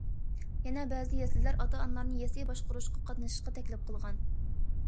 يەنە بەزى يەسلىلەر ئاتا- ئانىلارنى يەسلى باشقۇرۇشقا قاتنىشىشقا تەكلىپ قىلغان.